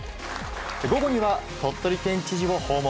午後には鳥取県知事を訪問。